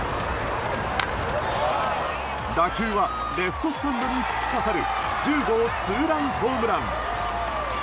打球はレフトスタンドに突き刺さる１０号ツーランホームラン！